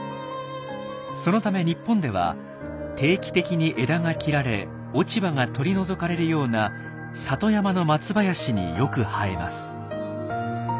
そのため日本では定期的に枝が切られ落ち葉が取り除かれるような里山のマツ林によく生えます。